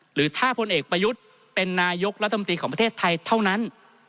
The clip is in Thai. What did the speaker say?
หรือถ้าพลเอกประยุทธ์เป็นนายกรัฐมนตรีของประเทศไทยเท่านั้น